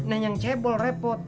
nah yang cebol repot